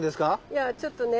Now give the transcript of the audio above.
いやちょっとね